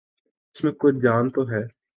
اس میں کچھ جان تو ہے۔